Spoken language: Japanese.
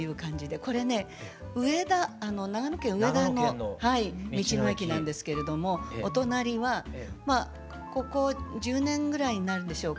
これね長野県上田の道の駅なんですけれどもお隣はここ１０年ぐらいになるんでしょうか。